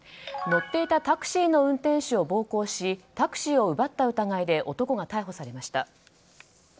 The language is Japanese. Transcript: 乗っていたタクシーの運転手を暴行しタクシーを奪った疑いで男が逮捕されました。